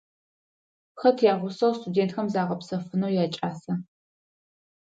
Хэт ягъусэу студентхэм загъэпсэфынэу якӏаса?